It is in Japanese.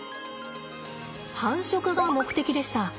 繁殖が目的でした。